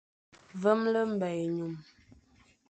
Vemle mba ényum.